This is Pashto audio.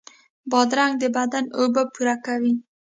بادرنګ د بدن اوبه پوره کوي.